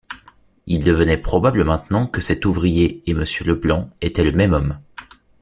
Il devenait probable maintenant que cet ouvrier et Monsieur Leblanc étaient le même homme.